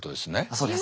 そうです。